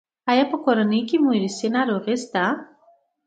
ایا په کورنۍ کې مو ارثي ناروغي شته؟